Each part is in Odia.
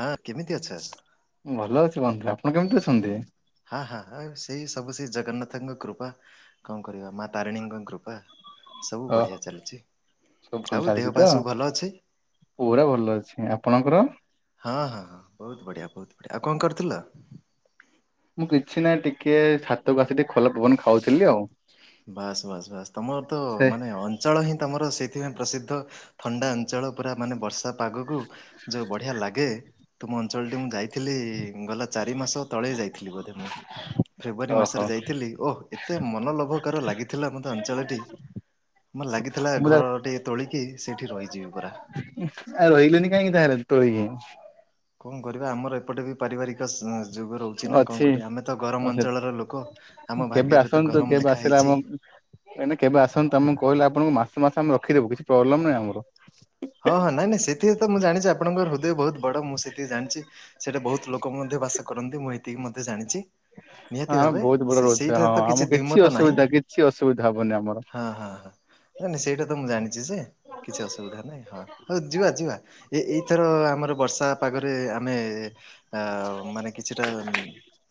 ହଁ କେମିତି ଅଛ‌? ଭଲ ଅଛି ବନ୍ଧୁ ଆପଣ କେମିତି ଅଛନ୍ତି? ହଁ ହଁ ସେଇ ସବୁ ସେ ଜଗନ୍ନାଥଙ୍କ କୃପା କଣ କରିବା ମା ତାରିଣୀଙ୍କ କୃପା ସବୁ ଅ ବଢ଼ିଆ ଚାଲିଚି। ସବୁ ଭଲ ଚାଲିଚି ତ ପୁରା ଭଲ ଅଛି ଆପଣଙ୍କର ହଁ ହଁ ହଁ ବହୁତ ବଢିଆ ବହୁତ ବଢିଆ ଆଉ କଣ କରୁଥିଲ? ମୁଁ କିଛି ନାହିଁ ଟିକେ ଛାତକୁ ଆସି ଟିକେ ଖୋଲା ପବନ ଖାଉଥିଲି ଆଉ। ବାସ୍ ବାସ୍ ବାସ୍ ତମର ତ ସେ ମାନେ ଅ ଞ୍ଚଳ ହିଁ ତମର ସେଇଥିପାଇଁ ପ୍ରସିଦ୍ଧ ଥଣ୍ଡା ଅଞ୍ଚଳ ପୁରା ମାନେ ବର୍ଷା ପାଗକୁ ଯୋଉ ବଢିଆ ଲାଗେ ତୁମ ଅଞ୍ଚଳଟି ମୁଁ ଯାଇଥିଲି ଗଲା ଚାରି ମାସ ତଳେ ଯାଇଥିଲି ବୋଧେ ମୁଁ ଫେବୃଆାରୀ ଓହୋ ମାସରେ ଯାଇଥିଲି ଓ ଏତେ ମନଲୋଭ କାର ଲାଗିଥିଲା ମତେ ଅଞ୍ଚଳଟି ମେ ଲାଗିଥିଲା ମୁଁ ତା- ଘର ଟେ ତୋଳି କି ସେଠି ରହିଯିବି ପରା ଆଉ ରହିଲନି କାହିଁକି ତାହେଲେ ତ କଣ କରିବା ଆମର ଏପଟେ ବି ପାରିବାରିକ ଯୁ ରହୁଛି ନା କଣ ଅଛି। କର ଆମେ ତ ଗରମ ଅଛି। ଅଞ୍ଚଳ ର ଲୋକ ଆମ କେବେ ଭାଗ୍ୟରେ ତ ଆସନ୍ତୁ ଗରମ କେବେ ଲେଖା ଆସିଲେ ହେଇଛି। ଆମ ନାଇଁଁ କେବେ ଆସନ୍ତୁ ଆମକୁ କହିଲ ଆପଣଙ୍କୁ ମାସ ମାସ ଆମେ ରଖିଦବୁ କିଛି ପ୍ରୋବ୍ଲେମ ନାହିଁ ଆମର ହଁ ହଁ ନାଇଁ ନାଇଁ ସେଥିକି ତ ମୁଁ ଜାଣିଛି ଆପଣଙ୍କର ହୃଦୟ ବହୁତ ବଡ ମୁଁ ସେଥିକି ଜାଣିଛି ସେଟା ବହୁତ ଲୋକଙ୍କର ମଧ୍ୟ ବାସ କରନ୍ତି ମୁଁ ଏତିକି ମଧ୍ୟ ଜାଣିଛି ହଁ ନିହାତି ଆମେ ଭାବେ ବହୁତ ବଡ ସେ ରହୁଥିଲେ ହଁ ସେଇଠାରେ ତ ଆମ କିଛି ଦ୍ୱଇମତ ନାହିଁ ଅସୁବିଧା କିଛି ଅସୁବିଧା ହବନି ଆମର। ହଁ ହଁ ହଁ। ନାଇଁ ନାଇଁ ସେଇଟା ତ ମୁଁ ଜାଣିଛି ଯେ କିଛି ଅସୁବିଧା ନାଇଁ। ହଉ ଯିବା ଯିବା ଏ ଏଇଥର ଆମର ବର୍ଷା ପାଗରେ ଆମେ ଆ ମାନେ କିଛିଟା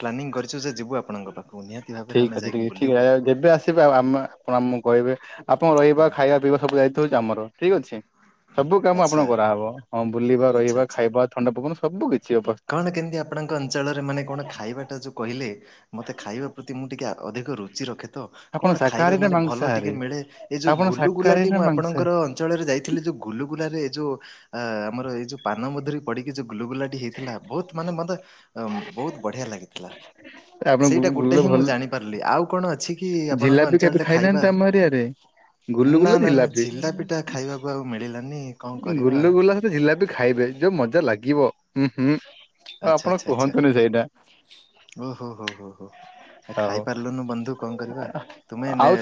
ପ୍ଲାନିଂ କରିଛୁ ଯେ ଯିବୁ ଆପଣଙ୍କ ପାଖକୁ ନିହାତି ଭାବରେ ଠିକ ଆମେ ଅଛି ଠିକ ଯାଇକି ଠିକ ବୁଲିବୁ ଯେବେ ଆମ ଆପଣ ଆମକୁ କହିବେ ଆପଣ ରହିବା ଖାଇବା ପିଇବା ସବୁ ଦାୟୀତ୍ୱ ହେଉଛି ଆମର ଠିକ୍ ଅଛି। ସବୁ କାମ ଆଚ୍ଛା ଆପଣଙ୍କ କରାହେବ ହଁ ବୁଲିବା ଆଚ୍ଛା ରହିବା ଆଚ୍ଛା ଖାଇବା ଥଣ୍ଡା ପବନ ସବୁ କିଛି ଅ କଣ କେମିତି ଆପଣଙ୍କ ଅଞ୍ଚଳରେ ମାନେ କଣ ଖାଇବାଟା ଯେଉଁ କହିଲେ ମତେ ଖାଇବା ପ୍ରତି ମୁଁ ଟିକେ ଅଧିକ ରୁଚି ଚି ରଖେ ତ ଆପଣ କଣ ଖାଇବା ଶାକାହାରୀ ନା ମାନେ ଭଲ ଟିକିଏ ମାଂସାହାରୀ ମିଳେ ଏ ଯେଉଁ ଆପଣ ଶାକାହାରୀ ଗୁଲୁଗୁଲାଟି ନା ମୁଁ ମାଂସାହାରୀ? ଆପଣଙ୍କର ଅଞ୍ଚଳରେ ଯାଇଥିଲି ଯୋଉ ଗୁଲୁଗୁଲାରେ ଯୋଉ ଆମର ଏଇ ଯୋଉ ପାନ ମଧୁରୀ ପଡିିକି ଯଉ ଗୁଲୁଗୁଲାଟି ହେଇ ଥିଲା ବହୁତ ମାନେ ମତେ ବହୁତ ବଢିଆ ଲାଗିଥିଲା ଆପଣ ସେଇଟା ଗୁଗୁଲ ଗୋଟେ ହିଁ ଭଲ ମୁଁ ଜାଣି ପାରିଲି ଆଉ କଣ ଅଛି କି ଆପଣଙ୍କ ଜିଲାପି କେବେ ଅଞ୍ଚଳରେ ଖାଇବା? ଖାଇନାହାନ୍ତି ଆମ ଏରିଆରେ? ନା ଗୁଲୁଗୁଲା ନା ନା ଜିଲାପି ଝିଲାପି ଟା ଖାଇବାକୁ ଆଉ ମିଳିଲାନି କଣ କରିବା? ସେ ଜିଲାପି ଖାଇବେ ଯୋଉ ମଜା ଲାଗିବ ହୁଁ ହୁଁ ଆଉ ଆଚ୍ଛା ଆପଣ ଆଚ୍ଛା ଆଚ୍ଛା କୁହନ୍ତୁନି ସେଇଟା। ଓହୋ ହୋ ହୋ ହୋ ଆ ହଉ। ଖାଇପାରିଲୁନୁ ବନ୍ଧୁ କଣ କରିବା ତୁମେ ଏ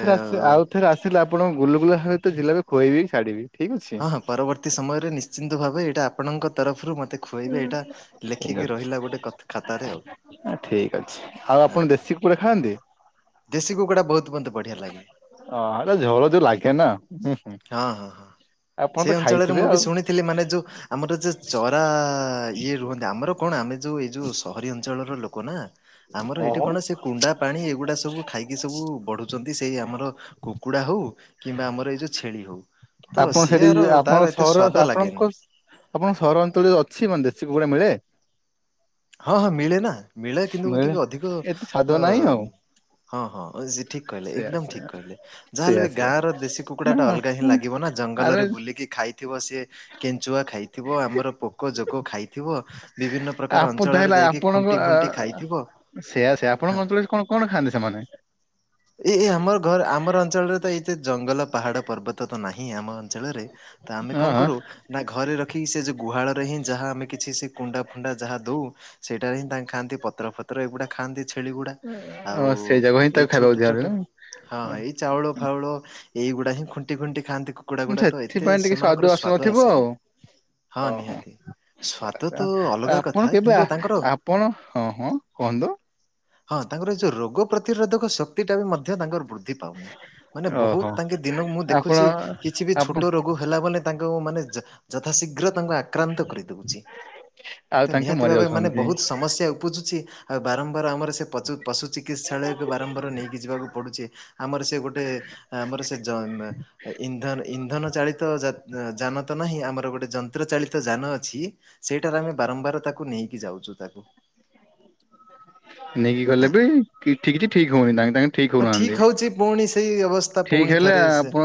ଥିଲା ଆପଣ ଗୁଲୁଗୁଲା ସହିତ ଜିଲାପି ଖୁଆଇବି ଛାଡ଼ିବି ଠିକ୍ ଅଛି। ହଁ ହଁ ପରବର୍ତ୍ତୀ ସମୟରେ ନିଶ୍ଚିତ ଭାବେ ଏଇଟା ଆପଣଙ୍କ ତରଫରୁ ମତେ ଖୁଆଇବେ ଏଇଟା ଠିକ୍ ଲେଖିକି ରହିଲା ଗୋଟେ କଥ ଖାତାରେ ଆଉ ଅଛି ଠିକ୍ ଅଛି ଆଉ ହଁ ଆପଣ ହଁ ବେଶୀ କୁ ଖାଆନ୍ତି? ଦେଶୀ କୁକୁଡ଼ା ବହୁତ ମତେ ବଢିଆ ଲାଗେ ଅ ଆ ଝୋଳ ଯେଉ ଲାଗେ ନା ହଁ ଆପଣ ତ ଖାଇଥିବେ ଆଉ ଥିଲେ ମାନେ ଯୋଉ ଆମର ଯ ଚରା ଇଏ ରୁହନ୍ତି ଆମର କଣ ଆମେ ଯୋଉ ଏଇ ଯୋଉ ସହରୀ ଅ ଞ୍ଚଳର ଲୋକ ନା ଆମର ହଁ ଏଠି କଣ ସେ କୁଣ୍ଡା, ପାଣି ଏ ଗୁଡା ସବୁ ସବୁ ଖାଇକି ସବୁ ବଢୁଛନ୍ତି ସେଇ ଆମର କୁକୁଡା ହଉ କିମ୍ବା ଆମର ଏଇ ଯୋଉ ଛେଳି ହଉ। ତ ଆପଣ ସେଠି ସିଏର ତାର ଆପଣଙ୍କ ଏତେ ସହର ସ୍ଵାଦ ଲାଗେନି ଆପଣଙ୍କ ଆପଣଙ୍କ ସହର ଅଞ୍ଚଳରେ ଅଛି ମାନେ ଦେଶୀ କୁକୁଡା ମିଳେ? ହଁ ହଁ ମିଳେ ନା ମିଳେ କିନ୍ତୁ ଟିକେ ଅଧିକ ଏତେ ସ୍ଵାଦ ନାହିଁ ଆଉ। ଅ ହଁ ହଁ ଜି ଠିକ କହିଲେ ସେୟା ଏକଦମ ଠିକ ସେୟା କହିଲେ ଯାହାହେଲେ ସେୟା ବି ସେୟା ଗାଁ ର ଦେଶୀ କୁକୁଡାଟା ଅଲଗା ହିଁ ହଁ ଲାଗିବ ନା। ଆରେ ଜଙ୍ଗଲରେ ବୁଲିକି ଖାଇଥିବ ସିଏ କେଞ୍ଚୁଆ ଖାଇଥିବ ଆମର ପୋକ ଜୋକ ଖାଇଥିବ ବିଭିନ୍ନ ପ୍ରକା ପଦ ହେଲା ଆପଣଙ୍କ ସେଇଆ ସେଇଆ ହଁ ଆପଣଙ୍କ ଅଞ୍ଚଳରେ କଣ କଣ ଖାଆନ୍ତି ସେମାନେ ଏ ଏ ଆମର ଘର ଆମର ଅଞ୍ଚଳରେ ତ ଏତେ ଜଙ୍ଗଲ ପାହାଡ଼ ପର୍ବତ ତ ନାହିଁ ଆମ ଅଞ୍ଚଳରେ ତ ଆମେ ହଁ କଣ କରୁ ନା ଘରେ ରଖିକି ସେ ଯଉ ଗୁହାଳ ରେ ହିଁ ଯାହା ଆମେ କିଛି ସେ କୁଣ୍ଡା ଫୁଣ୍ଡା ଯାହା ଦଉ ସେଇଟାରେ ହିଁ ତାଙ୍କ ଖାଆନ୍ତି ପତ୍ର ଫତ୍ର ଏଗୁଡା ଖାଆନ୍ତି। ଛେଳି ଗୁଡା ହଁ ଆଉ ଅ ସେଇ ଯାକ ହିଁ ଏଇ ତାକୁ ଖାଇବାକୁ ଛୋଟ ଦିଆହଉଛି ଛୋଟ ନା ହଁ ହଁ ଏଇ ଚାଉଳ ଫାଉଳ ଏଇଗୁଡା ହିଁ ଖୁଣ୍ଟି ଖୁଣ୍ଟି ଖାଆନ୍ତି କୁ ସେଥିପାଇଁ ଟିକେ ସ୍ୱାଦୁ ଆସୁନଥିବ ଆସେନି। ଆଉ। ହଁ ଓହୋ ନିହାତି ସ୍ଵାଦ ତ ଅଲଗା କଥା ଏବେ କିନ୍ତୁ ତାଙ୍କର ଆପଣ ହଁ ହଁ କୁହନ୍ତୁ। ହଁ ତାଙ୍କର ଏ ଯୋଉ ରୋଗ ପ୍ରତିରୋଧକ ଶକ୍ତି ଟା ବି ମଧ୍ୟ ତାଙ୍କର ବୃ ଧି ପାଉନି ମାନେ ଓହୋ ବହୁତ ତାଙ୍କେ ଦିନ ମୁଁ ଆପଣ ଦେଖୁଚି କିଛି ବି ଆପଣ ଛୋଟ ରୋ ଗ ହେଲା ମାନେ ତାଙ୍କୁ ମାନେ ଯ ଯଥାଶୀଘ୍ର ତାଙ୍କୁ ଆକ୍ରାନ୍ତ କରିଦଉଛି। ଆଉ ତ ତାଙ୍କେ ନିହାତି ମରି ଭାବେ ମାନେ ଯାଉଛନ୍ତି। ବହୁତ ସମସ୍ୟା ଉପୁଜୁଛି ଆଉ ବାରମ୍ବାର ଆମର ସେ ପଚୁ ପଶୁ ଚିକିତ୍ସାଳୟକୁ ବାରମ୍ବାର ନେଇକି ଯିବାକୁ ପଡ଼ୁଚି। ଆମର ସେ ଗୋଟେ ଆମର ସେ ଜ ମେ ଇନ୍ଧନ ଇନ୍ଧନ ଚାଳିତ ଜ ଜାନ ତ ନାହିଁ ଆମର ଗୋଟେ ଜନ୍ତ ଚ୍ର ଚାଳିତ ଯାନ ଅଛି ସେଇଟାରେ ଆମେ ବାରମ୍ବାର ତାକୁ ନେଇକି ଯାଉଚୁ ତାକୁ। ନେଇକି ହଁ। ଗଲେ ବି ଠିକ କିଛି ଠିକ ହଉନି ତାଙ୍କେ ତାଙ୍କେ ଠିକ ହଁ ହଉନାହାନ୍ତି। ହଉଛି ପୁଣି ସେଇ ଅବସ୍ ଠିକ ହେଲେ ଆପଣ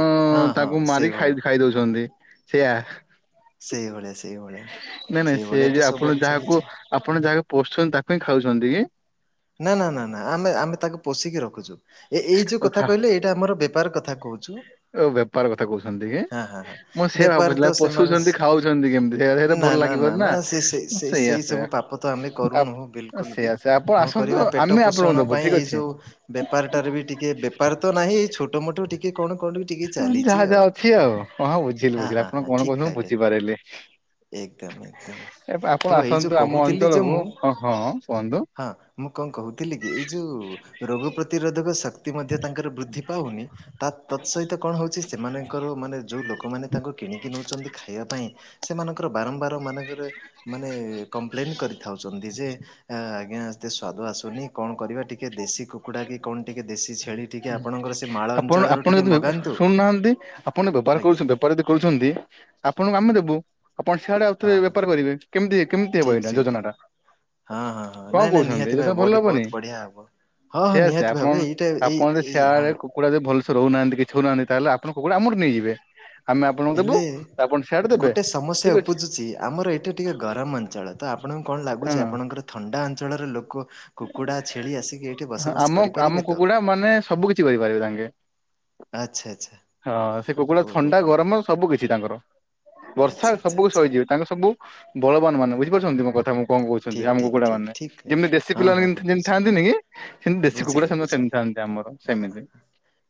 ତାଙ୍କୁ ମାରି ସେଇଭଳିଆ ଖାଇ ଖାଇଦଉଛନ୍ତି ସେୟା। ସେଇଭଳିଆ ସେଇଭଳିଆ ନାଇଁ ନାଇଁ ସେ ସେଇଭଳିଆ ଯେ ତ ଆପଣ ସବୁଆଡେ ଯାହାକୁ ଚାଲିଛି ଆପଣ ଯାହାକୁ ପୋଷୁଛନ୍ତି ତାକୁ ହିଁ ଖାଉଛନ୍ତି କି? ନା ନା ନା ନା ଆମେ ଆମେ ତାକୁ ପୋଷିକି ରଖୁଛୁ ଏ ଏଇ ଯୋଉ କଥା କହିଲେ ଇଟା ଆର ବେପାର କଥା କହୁ ଓ ବେପାର କଥା କହୁଛନ୍ତି କି ହଁ ହଁ ମୁଁ ସେୟା ବେପାର ତ ଭାବୁଥିଲି ଆଉ ସେମାନେ ପୋଶୁଛନ୍ତି ଖାଉ ଚନ୍ତି କେମତି ସେଗା ଗ ହେଲେ ଭଲ ଲାଗିବନି ନା। ସେଇ ସେଇଆ ସେଇ ସେଇଆ ସବୁ ପାପ ତ ଆମେ କରୁନୁ ବିଲକୁଲ ବି ସେଇଆ ସେଇଆ ଆପଣ କଣ ଆସନ୍ତୁ କରିବା ପେଟ ଆମେ ଆପଣଙ୍କୁ ପୋଷଣ ଦବୁ ପାଇଁ ଠିକ ଏଇ ଅଛି ଯୋଉ ବେପାରଟାରେ ବି ଟିକେ ବେପାର ତ ନାହିଁ ଏ ଛୋଟ ଟ ମୋଟୋ ଟିକେ କଣ କଣ ବି ଟିକେ ଚାଲିଛି ଯାହା ଆଉ ଯାହା ଅଛି ହଁ ବୁଝିଲି ହଁ ବୁଝିଲି ହଁ ଆପଣ ହଁ କଣ ଠିକ କହୁଛନ୍ତି ମୁଁ ଖାଇଲେ। ବୁଝିପାରିଲି ଏକଦମ୍ ଏକଦମ୍। ଏ ଆପଣ ଆସନ୍ତୁ ଆମ ଅଞ୍ଚଳକୁ ହଁ ହଁ କୁହନ୍ତୁ। ହଁ ମୁଁ କଣ କହୁଥିଲି କି ଏଇ ଯୋଉ ରୋଗ ପ୍ରତିରୋଧକ ଶକ୍ତି ମଧ୍ୟ ତାଙ୍କର ବୃଦ୍ଧି ପାଉନି ତା ତତ୍ ସହିତ କଣ ହଉଚି ସେମାନଙ୍କର ମାନେ ଯୋଉ ଲୋକମାନେ ତାଙ୍କୁ କିଣିକି ନଉଛନ୍ତି ଖାଇବା ପାଇଁ ସେମାନଙ୍କର ବାରମ୍ବାର ମାନଙ୍କରେ ମାନେ କମ୍ପ୍ଲେନ୍ କରିଥାଉଛନ୍ତି ଯେ ଏ ଆଜ୍ଞା ଏତେ ସ୍ଵାଦ ଆସୁନି। କଣ କରିବା ଟିକେ ଦେଶୀ କୁକୁଡ଼ା କି କଣ ଟିକେ ଦେଶୀ ଛେଳି ଟିକେ ଆପଣଙ୍କର ସେ ମାଳ ଆପଣ ଅଞ୍ଚଳରୁ ଆପଣ ଟିକେ ଯଦି ବେ ମଗାନ୍ତୁ ଶୁଣୁନାହାନ୍ତି ଆପଣ ବେପାର କରୁଛ ଆଜ୍ଞା ବେପ୍ ପର ଯଦି କହୁଚନ୍ତି ଆପଣଙ୍କୁ ଆମେ ଦେବୁ। ଆପଣ ସିଆଡେ ଆଉ ଥରେ ହଁ ହଁ ବେପାର କରିବେ କେମିତି କେମିତି ହବ ଠିକ ଏଇଟା ଠିକ ଯୋଜନା ଟା। ହଁ ହଁ ହଁ କଣ ନାଇଁ ନାଇଁ କହୁଛନ୍ତି ନିହାତି ଏ ଯ ଭାବେ ତ ଭଲ ବଢି ହବନି ବହୁତ ବଢିଆ ହବ। ହଁ ହଁ ସେଇଆ ନିହାତି ସେଆ ଭାବେ ଆପଣ ଏଇଟା ଏଇ ଆପଣ ଯଦି ଏଇ ହଁ ସିଆଡ କୁକୁଡ଼ା ଯଦି ଭଲସେ ରହୁନାହାନ୍ତି କିଛି ହଉନାହାନ୍ତି ତାହେଲେ ଆପଣ କୁକୁଡ଼ା ଆମଠୁ ନେଇଯିବେ। ଆମେ ଆପଣଙ୍କୁ ଦେବୁ ହେଲେ ଆପଣ ସେଆଡେ ଦେବେ ଠିକ ଅଛି। ସି ଆମର ଏଠି ଟିକେ ଗରମ ଅଞ୍ଚଳ ତ ଆପଣଙ୍କୁ କଣ ହଁ ଲାଗୁଛି ଆପଣଙ୍କର ଥଣ୍ଡା ଅଞ୍ଚଳର ଲୋକ କୁକୁଡ଼ା ଛେଳି ଆସିକି ଏଠି ହଁ, ଆମ ବସବାସ ଆମ କରିପାରିବେ ତ। କୁକୁଡା ମାନେ ସବୁ କିଛି କରିପାରିବେ ତାଙ୍କେ ଆଚ୍ଛା ଆଚ୍ଛା ହଁ ସେ କୁକୁଡ଼ା ଓହୋ ଥଣ୍ଡା ହୋ ଗରମ ସବୁ କିଛି ତାଙ୍କର ଆଚ୍ଛା ବର୍ଷା ଆଚ୍ଛା ସବୁକ ଆଚ୍ଛା ସହିଯିବେ। ତାଙ୍କ ସବୁ ବଳବାନ ମାନେ ବୁଝିପାରୁଛନ୍ତି ମୋ କଥା ମୁଁ କଣ କହୁଛନ୍ତି ଠିକ୍ ଆମ ଠିକ୍ କୁକୁଡା ଠିକ୍ ମାନେ ଠିକ୍ କହିଲେ। ଯେମିତି ଦେଶୀ ହଁ ପିଲାମାନେ ହଁ ହଁ କେତି ଯେମିତି ବୁଝିଲି ଥାନ୍ତିନିକି ସେମିତି ଦେଶୀ କୁକୁଡ଼ା ବୁଝିଲି ସେତି ବୁଝିଲି ସେମିତି ଥାନ୍ତି ଆମର ହଁ ହଁ ସେମିତି।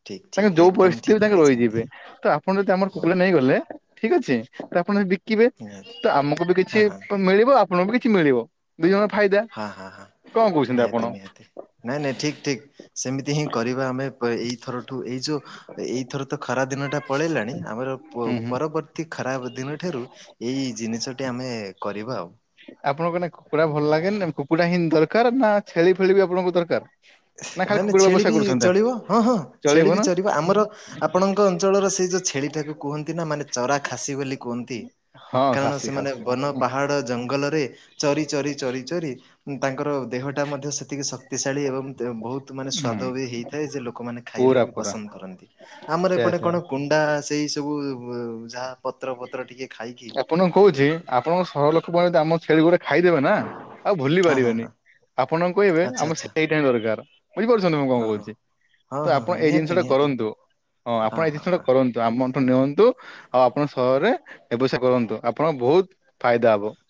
ଠିକ୍ ତାଙ୍କେ ଠିକ୍ ଯୋଉ ଏକଦମ ପରିସ୍ଥିତିରେ ଠିକ୍ ତାଙ୍କେ କହିଛନ୍ତି। ରହିଯିବେ ତ ଆପଣ ଯଦି ଆମର ହଁ କୁକୁଲା ହଁ ନେଇ ଗଲେ ଠିକ ଅଛି ଆପଣ ଯଦ ବିକିବେ ନିହାତି ତ ଆମକୁ ବି ହଁ କିଛି ହଁ ପ ମିଳିବ ଆପଣଙ୍କୁ [unintelligible] ମିଳିବ ଦିଇ ଜଣ ଫାଇଦା। ହାଁ ହାଁ ହାଁ। କଣ କହୁଚନ୍ତି ଆପଣ। ନାଇଁ ନାଇଁ ଠିକ୍ ଠିକ୍ ସେମିତି ହିଁ କରିବା ଆମେ ଏଇଥରଠୁ ଏଇ ଯୋଉ ଏଇଥର ତ ଖରା ଦିନ ଟା ପଳେଇଲାଣି ଆମର ହୁଁ ହୁଁ। ପରବର୍ତ୍ତୀ ଖରାପ ଦିନ ଠାରୁ ଏଇ ଜିନିଷଟି ଆମେ କରିବା ଆଉ। ଆପଣଙ୍କ ନା କୁକୁଡ଼ା ଭଲ ଲାଗେନି କୁକୁଡ଼ା ହିଁ ଦରକାର ନା ଛେଳି ଫେଳି ବି ଆପଣଙ୍କୁ ଦରକାର ନା ଖାଲି ନାଇଁ ନାଇଁ କୁକୁଡ଼ା ଛେଳି ବ୍ୟବସାୟ ବି କରୁଛନ୍ତି ଚଳିବ ହଁ ହଁ ଚଳିବ ଛେଳି ବି ନା ଚରିବ ଆମର ଆପଣଙ୍କ ଅଞ୍ଚଳର ସେଇ ଯୋଉ ଛେଳିଟାକୁ କୁହନ୍ତି ନା ମାନେ ଚରା ଖାସି ବୋଲି କୁହନ୍ତି ହଁ କାରଣ ଖାସି ସେମାନେ ଖାସି ବନ ପାହାଡ ଜଙ୍ଗଲରେ ଚରି ଚରି ଚରି ଚରି ତାଙ୍କର ଦେହଟା ମଧ୍ୟ ସେତିକି ଶକ୍ତିଶାଳୀ ଏବଂ ବହୁତ ମାନେ ହୁଁ। ସ୍ଵାଦ ବି ହେଇଥାଏ ଯେ ଲୋକମାନେ ଖାଇଲେ ପୁରା ବି ପୁରା ପସନ୍ଦ କରନ୍ତି ଆମର ସେୟା ଏପଟେ ସେୟା କଣ କୁଣ୍ଡା ସେଇ ସବୁ ଯାହା ପତ୍ର ପତ୍ର ଟିକେ ଖାଇକି ଆପଣ କହୁଚି ଆପଣଙ୍କ ସହର ଲୋକମାନେ ଯ ଆମ ଛେଳି ଗୁଡା ଖାଇଦେବେ ନା ଆଉ ଭୁଲି ହଁ ହଁ ପାରିବେନି ହଁ ଆପଣ କହିବେ ଆଚ୍ଛା ଆମ ଆଚ୍ଛା ସେଇଟା ହ ଦରକାର ବୁଝିପାରୁଚନ୍ତି ମୁଁ କଣ ହଁ ହଁ କହୁଚି ତ ହଁ ହଁ ଆପଣ ହଁ ଏଇ ଜିନିଷ ନିହାତି ଟା ନିହାତି କରନ୍ତୁ। ହଁ ଆପଣ ଏଇ ହଁ ଜିନିଷ ଟା ହଁ। କରନ୍ତୁ ଆମଠୁ ନିଅନ୍ତୁ ଆଉ ଆପଣ ସହରରେ ସା କରନ୍ତୁ ଆପଣଙ୍କ ବହୁତ ଫାଇଦା ହବ [unintelligible]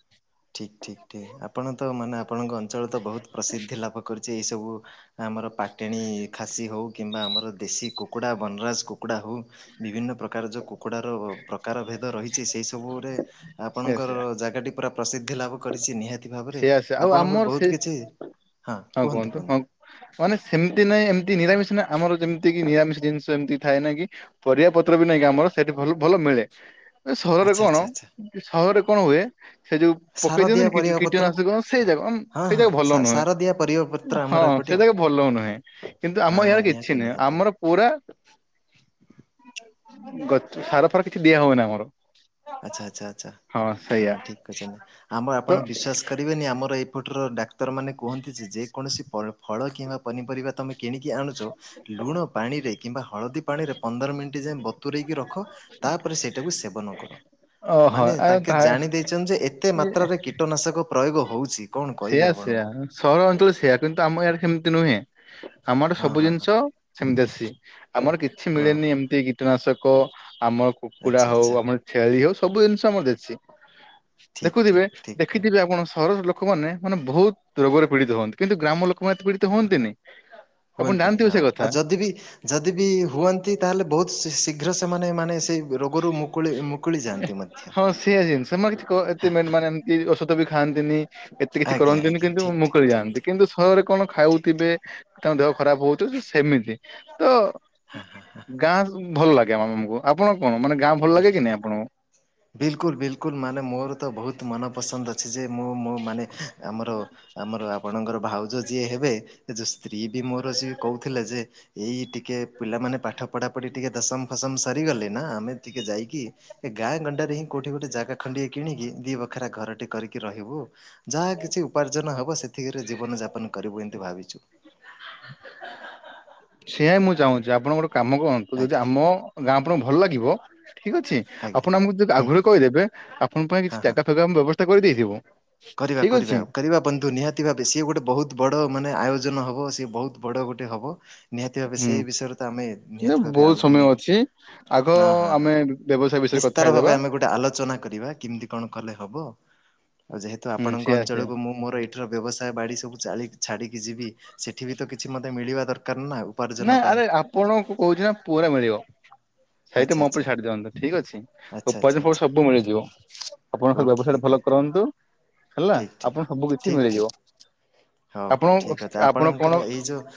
ଠିକ୍ ଠିକ୍ ଠିକ୍ ଆପଣ ତ ମାନେ ଆପଣଙ୍କ ଅଞ୍ଚଳ ତ ବହୁତ ପ୍ରସିଦ୍ଧି ଲାଭ କରିଚି ଏଇ ସବୁ ଆମର ପାଟେଣୀ ଖାସି ହେଉ କିମ୍ବା ଆମର ଦେଶୀ କୁକୁଡ଼ା ବନରାଜ କୁକୁଡ଼ା ହେଉ ବିଭିନ୍ନ ପ୍ରକାର ଯଉଁ କୁକୁଡ଼ାର ପ୍ରକାର ଭେଦ ରହିଚି ସେଇସବୁରେ ସେୟା ଆପଣଙ୍କର ସେୟା ଜାଗାଟି ପୁରା ପ୍ରସିଦ୍ଧି ଲାଭ କରିଚି ନିହାତି ଭାବରେ ସେୟା ସେୟା ଆଉ ଆପଣଙ୍କର ଆମର ସେ ବହୁତ କିଛି ହଁ କୁହନ୍ତୁ କୁହନ୍ତୁ। ମାନେ ସେମିତି ନାଇଁ ଏମିତି ନିରାମିଷି ନା ଆମର ଯେମିତି କିି ନିରାମିଷ ଜିନିଷ ଏମିତି ଥାଏ ନା କି ପରିବା ପତ୍ର ବି ନାଇଁକି ଆମର ସେଟି ଭଲ ମିଳେ। ଏ ସହରରେ ଆଚ୍ଛା କଣ ଆଚ୍ଛା ଆଚ୍ଛା ସହରରେ କଣ ହୁଏ ସେ ଯୋଉ ପକେଇ ସାରଦିଆ ଦିଅନ୍ତିନି ପରିବା ପତ୍ର କୀଟନାଶକ ସେଇ ଯାକ ହଁ ସେଇ ହଁ ଯାକ ଭଲ ନୁହେଁ ସାରଦିଆ ପରିବା ପତ୍ର ହଁ ଆମର ଏପଟେ ସେ ଆଉ ଯାକ ଭଲ ନୁହେଁ। କିନ୍ତୁ ଆମ ହଁ ଇଆଡେ ନିହାତି କିଛି ନାହିଁ ନିହାତି ଆମର ପୁରା ଗଛ ସାର ଫାର କିଛି ଦିଆ ହଏନା ଆମର ଆଚ୍ଛା ଆଚ୍ଛା ଆଚ୍ଛା ହଁ ଠିକ୍ କହିଚନ୍ତି ଆମର ତ ଆପଣ ବିଶ୍ବାସ କରିବେନି ଆମର ଏଇପଟର ଡା କ୍ତର ମାନ କୁହନ୍ତି ଯେ ଯେକୌଣସି ଫଳ କିମ୍ବା ପନିପରିବା ତମେ କିଣିକି ଆଣୁଚ ଲୁଣ ପାଣିରେ କିମ୍ବା ହଳଦୀ ପାଣିରେ ପନ୍ଦର ମିନିଟ ଯାଏ ବତୁରେଇକି ରଖ ତାପରେ ସେଇଟାକୁ ସେବନ କର। ଓହୋ ମାନେ ଆଉ ତାଙ୍କେ ତା ଜାଣି ଦେଇଚନ୍ତି ଯେ ଏତେ ଇଏ ମାତ୍ରାରେ କୀଟନାଶକ ପ୍ରୟୋଗ ହଉଚି। ସେୟା ସେୟା ସହର ଅଞ୍ଚଳ ସେୟା କିନ୍ତୁ ଆମ ଇଆଡେ ସେମିତି ନୁହେଁ ଆମ ଆଡେ ହଁ ସବୁ ହଁ ହଁ ଜିନିଷ ସେମିତି ଆସି ଆମର କିଛି ହଁ ମିଳେନି ହଁ ଏମିତି କୀଟନାଶକ ଆମ କୁକୁଡା ଆଚ୍ଛା ହଉ ଆଚ୍ଛା ଆମର ଛେଳି ହଉ ସବୁ ଜିନିଷ ଆମର ଦେସି ଠିକ୍ ଦେଖୁଥିବେ ଠିକ୍ ଠିକ୍ କହିଲେ। ଦେଖିଥିବେ ଆପଣ ସହର ଲୋକମାନେ ମାନେ ବହୁତ ରୋଗରେ ପୀଡିତ ହୁଅନ୍ତି କିନ୍ତୁ ଗ୍ରାମ ଲୋକମାନେ ଏ ତ ପୀଡିତ ହୁଅନ୍ତିନି। ଆପଣ ହୁଅନ୍ତିନି ଜାଣିଥିବେ ହଁ ସେ କଥା ଆଉ ଯଦି ବି ଯଦି ବି ହୁଅନ୍ତି ତାହେଲେ ବହୁତ ଶୀଘ୍ର ସେମାନେ ମାନେ ସେ ରୋଗରୁ ମୁକୁଳି ମୁକୁଳି ଯାଆନ୍ତି ମଧ୍ୟ। ହଁ କି ଔଷଧ ବି ଖାଆନ୍ତିନି ଏତେ କିଛି ଆଜ୍ଞା କରନ୍ତିନି ଆଜ୍ଞା କିନ୍ତୁ ଠିକ୍ ମୁକୁଳି ଠିକ୍ ଠିକ୍ ଯାଆନ୍ତି। ଠିକ୍ କିନ୍ତୁ ସହରରେ କଣ ଠିକ୍ ଖାଉଥିବେ ଠିକ୍ ତାଙ୍କ ଦେହ ଖରାପ ହଉଥିବ ସେମିତି ତ ହଁ ହଁ ହଁ। ଗାଁ ଭଲ ଲାଗେ ଆ ମମ ମଙ୍କୁ ଆପଣ କଣ ମାନେ ଗାଁ ଭଲ ଲାଗେ ବିଲ୍ କି ନାଇଁ ଆପଣଙ୍କୁ। ବିଲକୁଲ ବିଲକୁଲ ମାନେ ମୋର ତ ବହୁତ ମନପସନ୍ଦ ଅଛି ଯେ ମୁଁ ମୋ ମାନେ ଆମର ଆମର ରାବଣଙ୍କର ଭାଉଜ ଯିଏ ହେବେ ସ୍ତ୍ରୀ ବି ମୋର ସି କହୁଥିଲେ ଯେ ଏଇ ଟିକେ ପିଲାମାନେ ପାଠ ପଢା ପଢି ଟିକେ ଦଶମ ଫସମ ମୁଁ ସରିଗଲେ ନା ଆମେ ଟିକେ ଯାଇକି ଏ ଗାଁ ଗଣ୍ଡାରେ ହିଁ କୋଉଠି ଗୋଟେ ଜାଗା ଖଣ୍ଡିଏ କିଣିକି ଦି ବଖରା ଘରଟି କରିକି ରହିବୁ। ଯାହା କିଛି ଉପାର୍ଜନ ହେବ ସେତିକରେ ଜୀବନଯାପନ କରିବୁ ଏମିତି ଭାବିଛୁ। ସେଆ ମୁଁ ଚାହୁଁଛି ଆପଣ ଗୋଟେ କାମ କରନ୍ତୁ ଯଦି ଆଜ୍ଞା ଆମ ଗାଁ ଆପଣଙ୍କୁ ଭଲ ଲାଗିବ ଠିକ ଅଛି ଆଜ୍ଞା। ଆପଣ ଆମକୁ ଯଦି ହୁଁ ହୁଁ ଆଗୁରୁ କହିଦେବେ ଆପଣଙ୍କ ପାଇଁ ହଁ କିଛି ହଁ। ଜାଗା ସ ଆମେ ବ୍ୟବସ୍ଥା କରିଦେଇଥିବ। କରିବା କରିବା ଆଉ କରିବା ବନ୍ଧୁ ନିହାତି ଭାବେ ସିଏ ଗୋଟେ ବହୁତ ବଡ ମାନେ ଆୟୋଜନ ହବ ସିଏ ବହୁତ ବଡ ଗୋଟେ ହବ ନିହାତି ଭାବେ ସେଇ ହୁଁ ବିଷୟରେ ତ ଆମେ ଏ ନିହାତି ଭାବେ ବହୁତ ଆଉ ସମୟ ଦିନେ ଅଛି। ଆଗ ହଁ ହଁ ହଁ ଆମେ ବ୍ୟବସାୟ ବିଷୟରେ କଥା ତାର ହେଇଦବା ଭାବେ ଆମେ ଗୋଟେ ଆଲୋଚନା କରିବା କେମିତି କଣ କଲେ ହବ।? ଆଉ ଯେହେତୁ ହୁଁ ଆପଣଙ୍କ ସେଆ ସେଆ ଅଞ୍ଚଳକୁ ମୁଁ ମୋର ଏଇଠିର ବ୍ୟବସାୟ ବାଡ଼ି ସବୁ ଚା ଛାଡ଼ିକି ଯିବି ସେଠି ବି ତ କିଛି ମତେ ମିଳିବା ଦରକାର ନା ଆଉ। ନା ଆରେ ଆପଣଙ୍କୁ କହୁଛି ନା ପୁରା ମିଳିବ। ସେଇଟା ଆଚ୍ଛା ମୋ ଉପରେ ଆଚ୍ଛା। ଛାଡି ଦିଅନ୍ତୁ ଠିକ ଅଛି ଆଚ୍ଛା ଆଚ୍ଛା ଉପରଯେପର ଆଚ୍ଛା ସବୁ। ମିଳିଯିବ ଆପଣ ଖାଲି ଓକେ ବ୍ୟବସାୟଟା ଓକେ ଭଲ କରନ୍ତୁ। ହେଲା ଠିକ୍ ଠିକ୍। ଆପଣ ସବୁ କିଛି ଠିକ୍ ଠିକ୍ ମିଳିଯିବ। ହଉ ହଉ ଆପଣ ଠିକ୍ ଅଛି ଆପଣ କଣ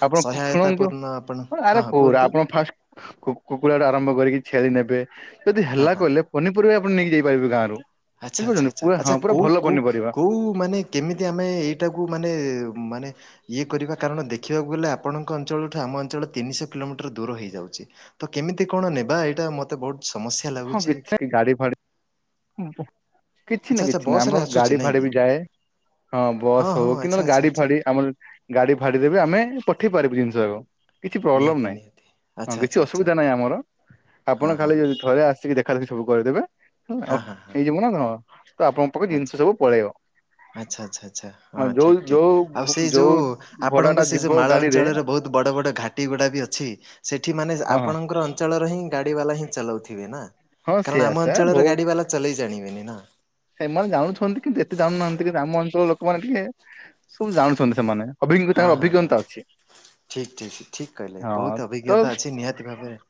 ଆପଣ ଶୁଣନ୍ତୁ। ଆଉ ଆପଣ। ଆରେ ହଁ ହଁ କୋଉରା କୁହନ୍ତୁ ଆପଣ ଫାଷ୍ଟ କୁ କୁକୁଡ଼ା ଟୁ ଆରମ୍ଭ କରିକି ଛେଳି ନେବେ ଯଦି ହଁ ହେଲା ହଁ। କଲେ। ପନିପୁରିବା ଆପଣ ନେଇକିଯାଇପାରିବେ ଗାଁରୁ। ଆଚ୍ଛା ଆଚ୍ଛା ବୁଝିପାରୁଛନ୍ତି ଆଛା ପୁରା ହଁ ଆଚ୍ଛା ପୁରା କୋଉ ଭଲ କୋଉ ପନିପରିବା କୋଉ ମାନେ କେମିତି ଆମେ ଏଇଟାକୁ ମାନେ ମାନେ ଇଏ କରିବା କାରଣ ଦେଖିବାକୁ ଗଲେ ଆପଣଙ୍କ ଅଞ୍ଚଳଠୁ ଆମ ଅଞ୍ଚଳ ତିନିଶହ କିଲୋମିଟର ଦୂର ହେଇଯାଉଛି। ତ କେମିତି କଣ ନେବା ଏଇଟା ମତେ ବହୁତ ସମସ୍ୟା ଲାଗୁଛି। କି ଗାଡି ଫାଡି କିଛି ଆଚ୍ଛା ନା ଆଚ୍ଛା କିଛି ନା ବସ ରେ ଆମର ଆସୁଛି ଗାଡି ନାଇଁ ଫାଡି କି? ବି ଯାଏ। ହଁ ବସ୍ ହଁ ହଉ କି ଆଚ୍ଛା ନହେଲେ ଆଚ୍ଛା ଗାଡି ଆଚ୍ଛା ଫାଡି ଆମର ଗାଡି ଫାଡି ଦେବେ ଆମେ ପଠେଇ ପାରିବୁ ଜିନିଷଯାକ। କିଛି ପ୍ରୋବ୍ଲେମ ନିହାତି ନାହିଁ ନିହାତି ହଁ ଆଚ୍ଛା କିଛି ଆଚ୍ଛା ଆଚ୍ଛା ଅସୁବିଧା ନାହିଁ ଆମର ଆପଣ ହଁ ହଁ ଖାଲି ଯଦି ଘରେ ଆସିକି ଦେଖା ଦେଖି ସବୁ କରେଇଦେବେ ହଁ ଆଉ ହଁ ହଁ ହେଇଯିବ ନା କଣ ତ ଆପଣ ତମ ଜିନିଷ ଆଚ୍ଛା। ସବୁ ପଳେଇବ। ଆଚ୍ଛା ଆଚ୍ଛା ଆଛା ହଁ ଯୋଉ ଠିକ୍ ଠିକ୍ ଯୋଉ ଆଉ ସେଇ ଯୋଉ ଭଡା ଟା ଆପଣଙ୍କ ସେ ଯୋଉ ଯିବ ମାଳ ଗାଡିରେ ଅଞ୍ଚଳର ବହୁତ ବଡ ବଡ ଘାଟି ଗୁଡ଼ା ବି ଅଛି ସେଠି ମାନେ ହଁ ହଁ ଆପଣଙ୍କର ଅଞ୍ଚଳର ହିଁ ଗାଡ଼ି ବାଲା ହିଁ ଚଲୋଉଥିବେ ନା। ହଁ କାରଣ ସେଆ ଆମ ସେଆ ଅଞ୍ଚଳର ବୋଉ ଗାଡି ବାଲା ଚଲେଇ ଜାଣିବେନି ନା। ସେମାନେ ଜାଣୁଛନ୍ତି କିନ୍ତୁ ଏତେ ଜାଣୁନାହାନ୍ତି କିନ୍ତୁ ଆମ ଅଞ୍ଚଳର ଲୋକମାନେ ଟିକେ ସବୁ ଜାଣୁଛନ୍ତି ସେମାନେ। ହଁ ଅଭିଜ୍ଞତାଙ୍କ ହଁ ହଁ ଅଭିଜ୍ଞତା ଅଛି। ଠିକ୍ ଠିକ୍ ଠିକ୍ କହିଲେ ହଁ ବହୁତ ଅଭିଜ୍ଞତା ତ ଅଛି ନିହାତି ଭାବରେ।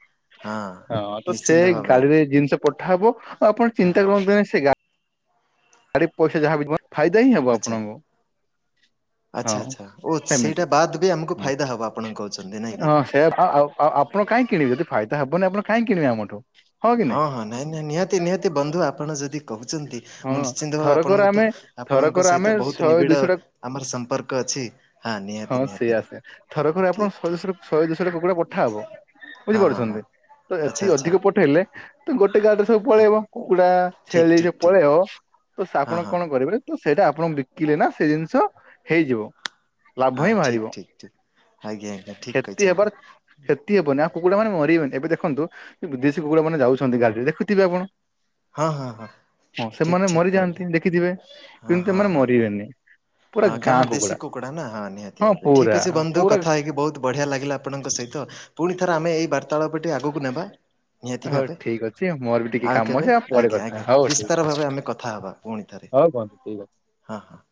ହଁ ତ ସେ ନିଶ୍ଚିନ୍ତ ଭାବେ ଗାଡିରେ ଜିନିଷ ପଠାହବ ଆଉ ଆପଣ ହଁ ହଁ ଚିନ୍ତା କରନ୍ତୁନି ସେ ଗା ଗାଡି ପଇସା ଯାହାବି ଫାଇଦା ହିଁ ହବ ଆଚ୍ଛା। ଆପଣଙ୍କୁ। ଆଚ୍ଛା ହଁ ଆଚ୍ଛା ଓ ସେମିତି। ସେଇଟା ବାଦ ବି ଆମକୁ ଫାଇଦା ହବ ଆପଣ କହୁଛନ୍ତି ନାଇଁ କି। ଓ ଆ ଅ ଆ ଆପଣ କାଇଁ କିଣିବେ ଯଦି ଫାଇଦା ହବନି ଆପଣ କାଇଁ କିଣିବେ ଆମଠୁ। ହଁ ହଁ ନାଇଁ ନାଇଁ ନିହାତି ନିହାତି ବନ୍ଧୁ ଆପଣ ଯଦି କହୁଛନ୍ତି ହଁ ମୁଁ ନିଶ୍ଚିନ୍ତ ଭାବେ ଥରକରେ ଆପଣଙ୍କୁ ତ ଆମେ ଆପଣଙ୍କ ଥରକରେ ଆମେ ସହିତ ବହୁତ ଶହେ ନିବିଡ଼ ଦୁଇଶହ ଟା ଆମର ସମ୍ପର୍କ ଅଛି ହଁ ନିହାତି ନିହାତି ସେଇଆ ସେଇଆ। ଥରକରେ ଆପଣ ଠିକ୍ ଶହେ ଠିକ୍। ଦୁଇଶହ ଶହେ ଦୁଇଶହଟା କୁକୁଡା ପଠାହବ ହଁ ହଁ ବୁଝିପାରୁଛନ୍ତି ତ ଆଚ୍ଛା ଏତିକି ଆଚ୍ଛା ଅଧିକ ପଠେଇଲେ ତ ଗୋଟେ ଗାଡିରେ ସବୁ ପଳେଇବ କୁକୁଡା ଠିକ୍ ଛେଳି ସବୁ ଠିକ୍ ପଳେଇବ ଓ ସେ ଆପଣ କଣ କରିବେ ତ ସେଇଟା ଆପଣ ବିକିଲେ ନା ସେ ଜିନିଷ ହେଇଯିବ। ଲାଭ ହଁ ହିଁ ବାହାରିବ ଠିକ ଠିକ ଠିକ ଆଜ୍ଞା ଆଜ୍ଞା ଠିକ କ୍ଷତି ହେବାର କହିଛନ୍ତି। କ୍ଷତି ହେବନି କୁକୁଡ଼ା ମାନେ ମରିବେନି ଏବେ ଦେଖନ୍ତୁ ବିଦେଶୀ କୁକୁଡ଼ା ମାନେ ଯାଉଛନ୍ତି ଗାଡିରେ ଦେଖୁଥିବେ ଆପଣ। ହଁ ହଁ ହଁ ହଁ ଠିକ ସେମାନେ ଠିକ କହିଲେ ମରିଯାଆନ୍ତି ଦେଖିଥିବେ ହଁ କିନ୍ତୁ ହଁ ଏମାନେ ହଁ ହଁ ମରିବେନି। ପୁରା ହଁ ଗାଁ କାରଣ ଦେଶୀ କୁକୁଡା ନା ହଁ ନିହାତି ହଁ ଭାବେ ଠିକ୍ ପୁରା ଅଛି ବନ୍ଧୁ ପୁରା କଥା ହେଇକି ବହୁତ ବଢିଆ ଲାଗିଲା ଆପଣଙ୍କ ସହିତ ପୁଣି ଥରେ ଆମେ ଏଇ ବାର୍ତ୍ତାଳାପଟି ଆଗକୁ ନେବା। ନିହାତି ହଉ ଭାବେ ଠିକ୍ ଅଛି ମୋର ବି ଟିକେ ଆଉ କାମ କେବେ ଅଛି ଆମେ ପରେ ଆଜ୍ଞା କଥା ଆଜ୍ଞା ହେବା ହଉ ବିସ୍ତାର ଭାବେ ଆମେ କଥା ହଉ। ହବା ପୁଣି ଥରେ ହଉ ବନ୍ଧୁ ଠିକ୍ ଅଛି। ହଁ ହଁ।